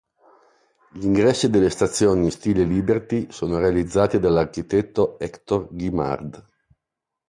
Gli ingressi delle stazioni, in stile liberty sono realizzati dall'architetto Hector Guimard.